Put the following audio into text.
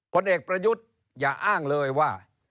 ผลเอกประยุทธ์อย่าอ้างเลยว่า